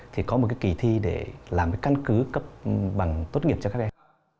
thì có một kỳ thi để làm cái căn cứ cấp bằng tuất nghiệp cho các em